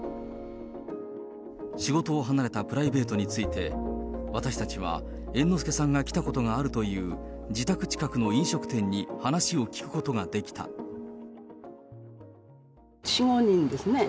仕事を離れたプライベートについて、私たちは猿之助さんが来たことがあるという自宅近くの飲食店に話４、５人ですね。